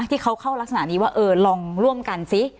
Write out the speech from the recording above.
ที่เขาเข้ารักษณะนี้ว่าเออลองร่วมกันซิ